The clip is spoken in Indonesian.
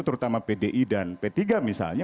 terutama pdi dan p tiga misalnya